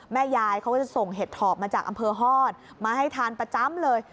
แม่ยายเขาก็จะส่งเห็ดถอบมาจากอำเภอฮอตมาให้ทานประจำเลย